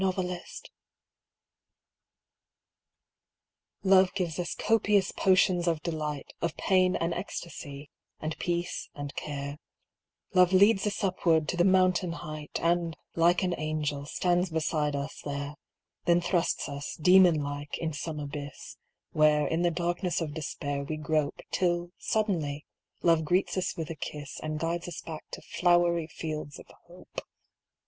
LOVE'S WAY Love gives us copious potions of delight, Of pain and ecstasy, and peace and care; Love leads us upward, to the mountain height, And, like an angel, stands beside us there; Then thrusts us, demon like, in some abyss: Where, in the darkness of despair, we grope, Till, suddenly, Love greets us with a kiss And guides us back to flowery fields of hope.